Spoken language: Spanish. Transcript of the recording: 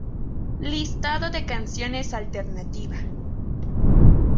Listado de canciones Alternativa